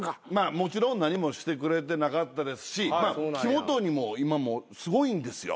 もちろん何もしてくれてなかったですし木本にも今もすごいんですよ。